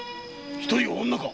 一人は女か！？